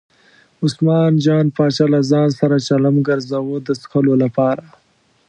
عثمان جان پاچا له ځان سره چلم ګرځاوه د څکلو لپاره.